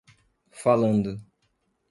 Falando!